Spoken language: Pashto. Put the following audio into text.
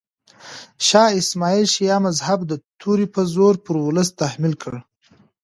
شاه اسماعیل شیعه مذهب د تورې په زور پر ولس تحمیل کړ.